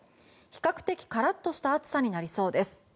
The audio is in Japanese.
比較的カラッとした暑さになりそうです。